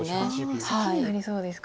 セキになりそうですか。